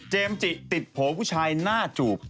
จิติดโผล่ผู้ชายหน้าจูบ